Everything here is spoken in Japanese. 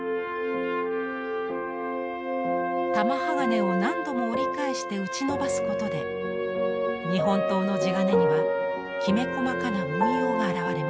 玉鋼を何度も折り返して打ちのばすことで日本刀の地金にはきめ細かな文様が現れます。